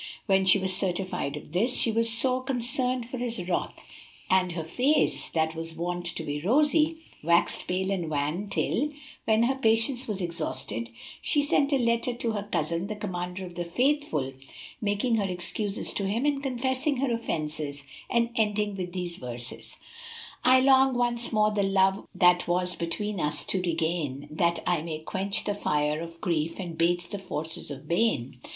When she was certified of this, she was sore concerned for his wrath and her face, that was wont to be rosy, waxed pale and wan till, when her patience was exhausted, she sent a letter to her cousin, the Commander of the Faithful making her excuses to him and confessing her offences, and ending with these verses "I long once more the love that was between us to regain, * That I may quench the fire of grief and bate the force of bane.